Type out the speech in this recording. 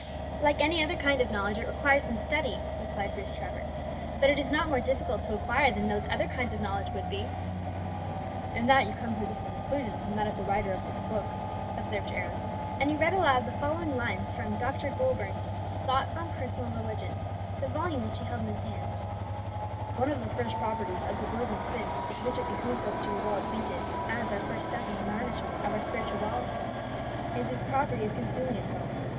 "Like any other kind of knowledge, it requires some study," replied Bruce Trevor; "but it is not more difficult to acquire than those other kinds of knowledge would be." "In that you come to a different conclusion from that of the writer of this book," observed Arrows; and he read aloud the following lines from Dr. Goulburn's "Thoughts on Personal Religion," the volume which he held in his hand: "'One of the first properties of the bosom sin with which it behoves us to be well acquainted, as our first step in the management of our spiritual warfare, is its property of concealing itself.